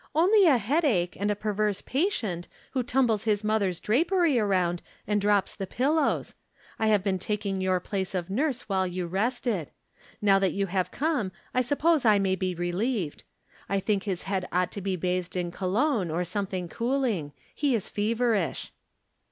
" Only a headache, and a perverse patient, who tumbles his mother's drapery around and drops the pillows. I have been taldng your place of nurse whUe you rested. Now that you have come I suppose I may be relieved. I think Ms head ought to be bathed in cologne, or sometliing cooling ; he is feverish."